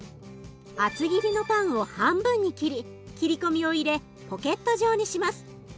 厚切りのパンを半分に切り切り込みを入れポケット状にします。